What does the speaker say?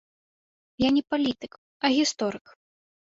Я не палітык, а гісторык.